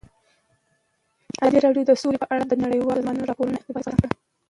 ازادي راډیو د سوله په اړه د نړیوالو سازمانونو راپورونه اقتباس کړي.